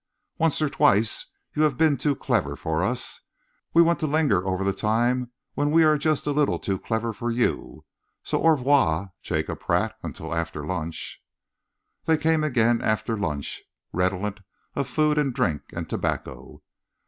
Once or twice you have been too clever for us. We want to linger over the time when we are just a little too clever for you. So au revoir, Jacob Pratt, until after lunch." They came again after lunch, redolent of food and drink and tobacco.